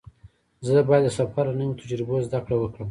زه باید د سفر له نویو تجربو زده کړه وکړم.